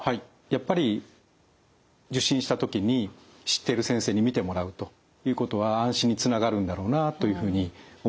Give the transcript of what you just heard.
やっぱり受診した時に知ってる先生に診てもらうということは安心につながるんだろうなというふうに思います。